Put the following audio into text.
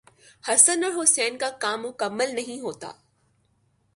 حسن اور حسین کا کام مکمل نہیں ہوتا۔